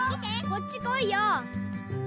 こっち来いよ！